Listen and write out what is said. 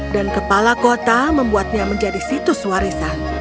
dan kepala kota membuatnya menjadi situs warisan